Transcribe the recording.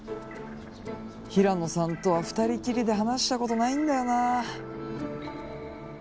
ヒラノさんとは２人きりで話したことないんだよなあ。